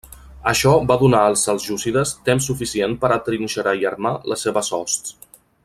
Això va donar als seljúcides temps suficient per atrinxerar i armar les seves hosts.